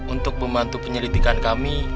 untuk membantu penyelidikan kami